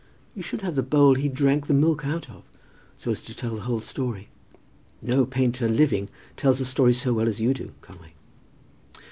You should have the bowl he drank the milk out of, so as to tell the whole story. No painter living tells a story so well as you do, Conway."